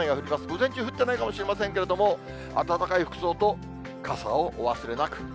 午前中降ってないかもしれませんけれども、暖かい服装と、傘をお忘れなく。